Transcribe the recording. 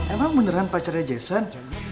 emang beneran pacarnya jason